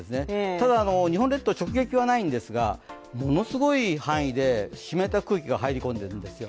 ただ日本列島、直撃はないんですがものすごい範囲で湿った空気が入り込んでいるんですよ。